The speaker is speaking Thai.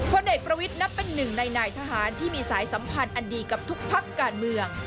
พลเอกประวิทย์นับเป็นหนึ่งในนายทหารที่มีสายสัมพันธ์อันดีกับทุกพักการเมือง